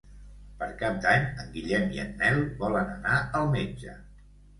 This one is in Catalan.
Per Cap d'Any en Guillem i en Nel volen anar al metge.